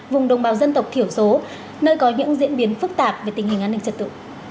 vùng đồng bào dân tộc thiểu số nơi có những diễn biến phức tạp về tình hình an ninh trật tự